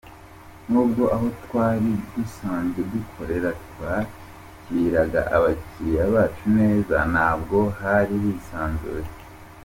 Nubwo aho twari dusanzwe dukorera twakiraga abakiliya bacu neza ntabwo hari hisanzuye.